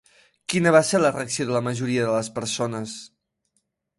Quina va ser la reacció de la majoria de les persones?